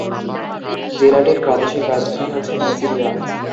জেলাটির প্রাদেশিক রাজধানী হচ্ছে নাসিরিয়া।